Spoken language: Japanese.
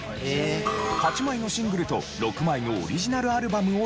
８枚のシングルと６枚のオリジナルアルバムをリリース。